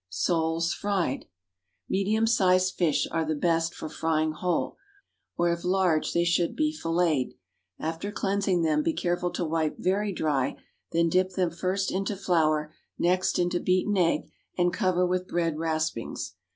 =Soles, Fried.= Medium sized fish are the best for frying whole, or if large they should be filleted. After cleansing them be careful to wipe very dry, then dip them first into flour, next into beaten egg, and cover with bread raspings.